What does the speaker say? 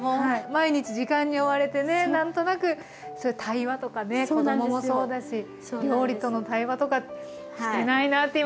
毎日時間に追われてね何となく対話とかね子どももそうだし料理との対話とかしてないなって